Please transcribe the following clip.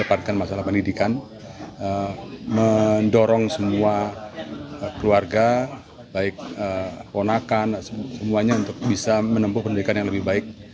mendapatkan masalah pendidikan mendorong semua keluarga baik ponakan semuanya untuk bisa menempuh pendidikan yang lebih baik